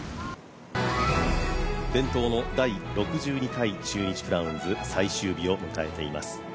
伝統の第６２回中日クラウンズ最終日を迎えています。